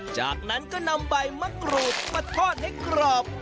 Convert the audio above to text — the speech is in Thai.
จากนั้นก็นำใบมะกรูดมาทอดให้กรอบ